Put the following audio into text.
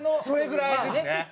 それぐらいですね。